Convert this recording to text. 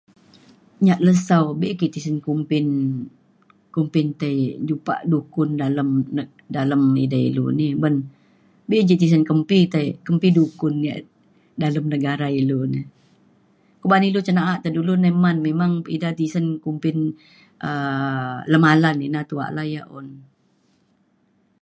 Nya' lesau be ake sen kumbin kumbin tei jumpa' dukun dalem inei ulu ini uban bei ke tisen kembi tei kembi dukun ya' dalem negara ilu kuban ilu jenaak ilu memang pitah tisen kumbin um lemalan ina ya' tua un.